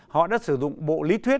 họ đã sử dụng bộ lý thuyết